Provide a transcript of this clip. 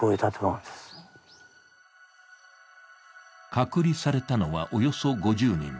隔離されたのはおよそ５０人。